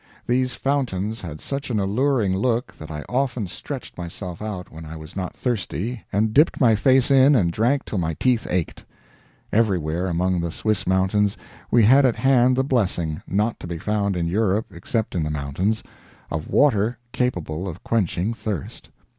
These fountains had such an alluring look that I often stretched myself out when I was not thirsty and dipped my face in and drank till my teeth ached. Everywhere among the Swiss mountains we had at hand the blessing not to be found in Europe EXCEPT in the mountains of water capable of quenching thirst.